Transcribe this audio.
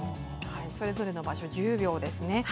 それぞれの場所１０秒です。